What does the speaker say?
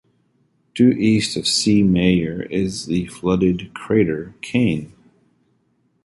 Due east of C. Mayer is the flooded crater Kane.